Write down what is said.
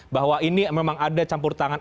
bahwa ini memang ada campur tangan